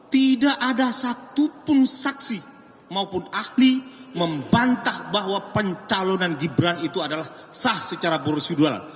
tidak ada satupun saksi maupun ahli membantah bahwa pencalonan gibran itu adalah sah secara prosedural